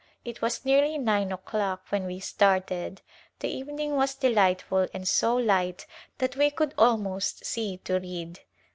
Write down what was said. It was nearly nine o'clock when we started. The evening was delightful and so light that we could almost see to read.